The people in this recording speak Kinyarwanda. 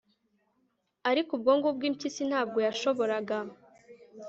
ariko ubwo ngubwo impyisi ntabwo yashoboraga